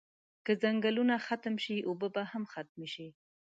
که ځنګلونه ختم شی اوبه به هم ختمی شی